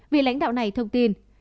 vì lãnh đạo này thông tin